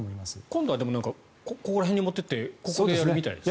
今度はここら辺に持っていってここでやるみたいですね。